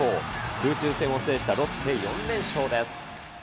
空中戦を制したロッテ、４連勝です。